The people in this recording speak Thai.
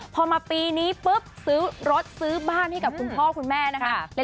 พอมาปีนี้ปุ๊บซื้อรถซื้อบ้านให้กับคุณพ่อคุณแม่นะคะ